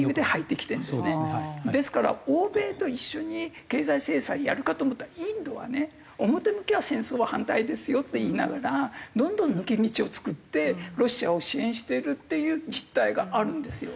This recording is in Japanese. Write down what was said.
ですから欧米と一緒に経済制裁やるかと思ったらインドはね表向きは戦争は反対ですよって言いながらどんどん抜け道を作ってロシアを支援しているっていう実態があるんですよ。